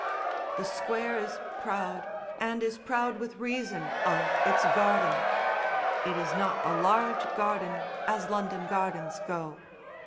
The Square is proud, and is proud with reason, of its garden. It is not a large garden as London gardens go.